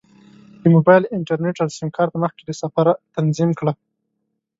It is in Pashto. د موبایل انټرنیټ او سیم کارت مخکې له سفره تنظیم کړه.